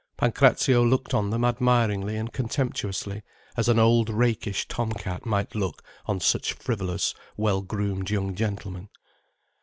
Pancrazio looked on them admiringly and contemptuously, as an old, rakish tom cat might look on such frivolous well groomed young gentlemen.